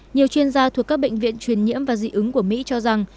nhiều chuyên gia thuộc các bệnh viện truyền nhiễm và dị ứng của mỹ cho rằng